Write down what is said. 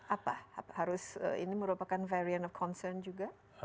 apa harus ini merupakan varian of concern juga